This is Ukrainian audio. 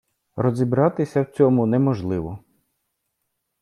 Розібратися в цьому неможливо.